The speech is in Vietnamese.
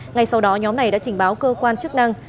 ngay sau đó nhóm này đã trình báo cơ quan chức năng